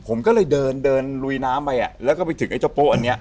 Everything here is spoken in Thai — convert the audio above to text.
ผมก็เลยเดินเดินลุยน้ำไปอ่ะแล้วก็ไปถึงไอ้เจ้าโป๊ะอันเนี้ย